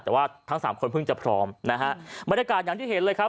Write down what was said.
แต่ว่าทั้งสามคนเพิ่งจะพร้อมนะฮะบรรยากาศอย่างที่เห็นเลยครับ